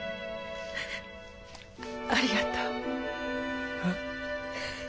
ありがとう。え。